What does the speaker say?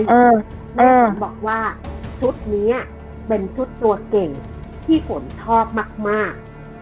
แต่ฝนบอกว่าชุดนี้เป็นชุดตัวเก่งที่ฝนชอบมาก